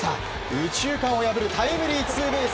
右中間を破るタイムリーツーベース。